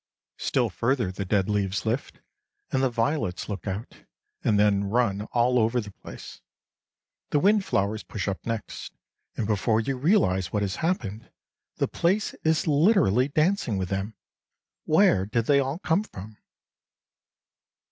Still further the dead leaves lift, and the violets look out, and then run all over the place. The wind flowers push up next, and before you realize what has happened, the place is literally dancing with them. Where did they all come from?